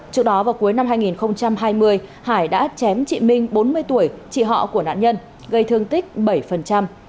trước đó vào cuối năm hai nghìn hai mươi hải đã chém chị minh bốn mươi tuổi chị họ của nạn nhân gây thương tích bảy